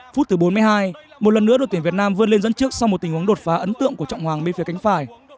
phút thứ bốn mươi hai một lần nữa đội tuyển việt nam vươn lên dẫn trước sau một tình huống đột phá ấn tượng của trọng hoàng me phía cánh phải